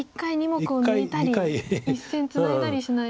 一回２目を抜いたり１線ツナいだりしないと。